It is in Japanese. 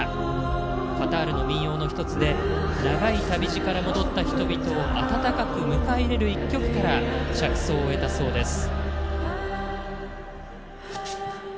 カタールの民謡の１つで長い旅路から戻った人々を温かく迎え入れる１曲から着想を得たそうです。